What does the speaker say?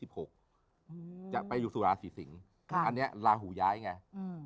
โหลดแล้วคุณราคาโหลดแล้วยัง